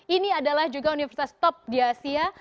ini adalah juga universitas top di asia